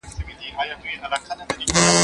دا کتابتون کار له هغه ضروري دي،